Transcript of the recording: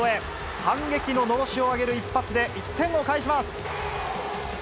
反撃ののろしを上げる一発で１点を返します。